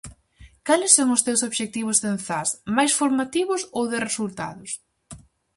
Cales son os teus obxectivos en Zas, máis formativos ou de resultados?